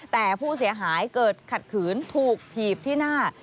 แต่ผู้เสียหายเกิดขัดขืนถูกถีบที่หน้า